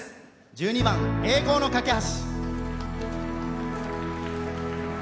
１２番「栄光の架橋」。